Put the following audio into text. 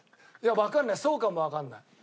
わかんないそうかもわかんない。